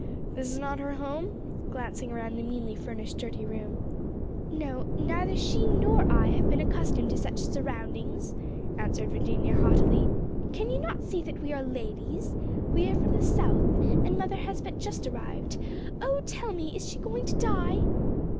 "This is not her home?" glancing around the meanly furnished dirty room. "No; neither she nor I have been accustomed to such surroundings," answered Virginia haughtily. "Can you not see that we are ladies? We are from the South, and mother has but just arrived. Oh, tell me, is she going to die?"